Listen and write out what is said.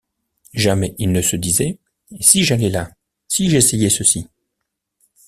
Jamais il ne se disait: Si j’allais là? si j’essayais ceci ?